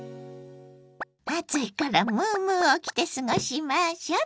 暑いからムームーを着て過ごしましょ！